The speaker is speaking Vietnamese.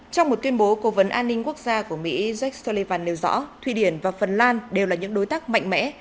trong một tuyên bố cố vấn an ninh quốc gia của mỹ jake sullivan nêu rõ thụy điển và phần lan đều là những đối tác mạnh mẽ